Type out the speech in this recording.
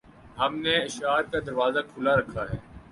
ہم نے اشعار کا دروازہ کھُلا رکھا ہے